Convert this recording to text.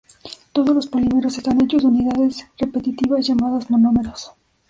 Todos los polímeros están hechos de unidades repetitivas llamadas monómeros.